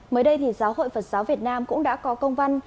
mới đây thì giáo hội phật giáo việt nam cũng đã có công văn